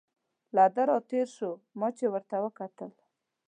له ده را تېر شو، ما چې ورته وکتل.